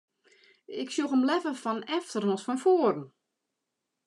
Ik sjoch him leaver fan efteren as fan foaren.